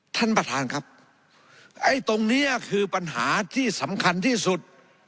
ท่านประธานครับไอ้ตรงเนี้ยคือปัญหาที่สำคัญที่สุด